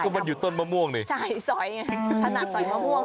มันอยู่ต้นมะม่วงนี่ใช่สอยไงถนัดสอยมะม่วง